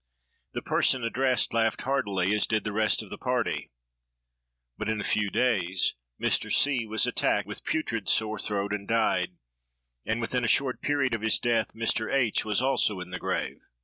The person addressed laughed heartily, as did the rest of the party; but, in a few days, Mr. C—— was attacked with putrid sore throat and died; and within a short period of his death, Mr. H—— was also in the grave.